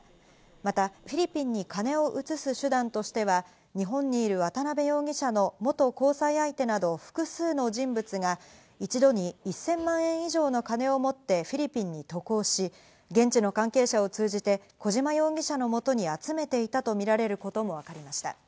またフィリピンに金を移す手段としては日本にいる渡辺容疑者の元交際相手など複数の人物が一度に１０００万円以上の金を持ってフィリピンに渡航し、現地の関係者を通じて小島容疑者の元に集めていたとみられることもわかりました。